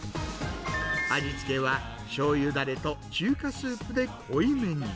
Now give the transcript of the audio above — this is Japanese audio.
味付けはしょうゆだれと中華スープで濃いめに。